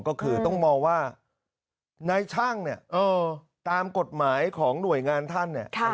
ก็คือต้องมองว่านายช่างเนี่ยตามกฎหมายของหน่วยงานท่านเนี่ย